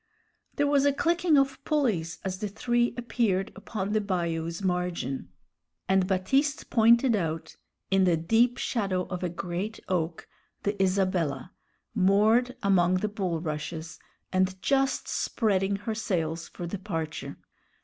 There was a clicking of pulleys as the three appeared upon the bayou's margin, and Baptiste pointed out, in the deep shadow of a great oak, the Isabella, moored among the bulrushes, and just spreading her sails for departure.